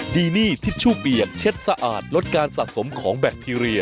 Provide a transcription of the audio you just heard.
ดีนี่ทิชชู่เปียกเช็ดสะอาดลดการสะสมของแบคทีเรีย